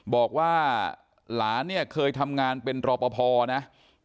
บอกว่าหลานเนี่ยเคยทำงานเป็นรอปภนะ